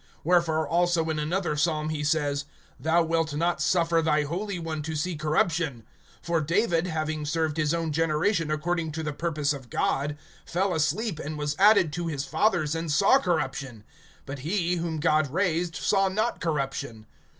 (35)Wherefore also in another psalm he says: Thou wilt not suffer thy Holy One to see corruption. (36)For David, having served his own generation according to the purpose of God, fell asleep, and was added to his fathers, and saw corruption. (37)But he, whom God raised, saw not corruption.